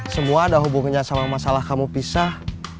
semua ada hubungannya sama masalah kamu pisah